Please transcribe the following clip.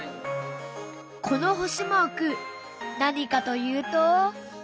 この星マーク何かというと。